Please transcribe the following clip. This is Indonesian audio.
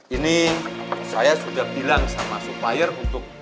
ini saya sudah bilang sama supplier untuk